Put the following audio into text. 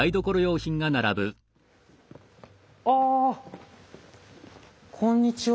あこんにちは。